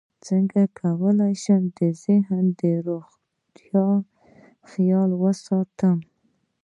څنګه کولی شم د ذهني روغتیا خیال وساتم